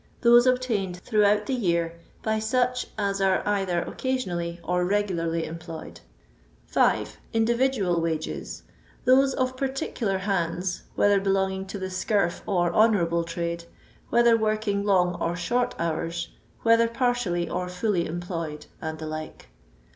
— Those obtained throughout the year by such as are either occasionally or regularly employed. 6. Individual Wages. — Those of particular hands, whether belonging to the scurf or honour able trade, whether working long or short hours, whether partially or fully empWfsd, and the like.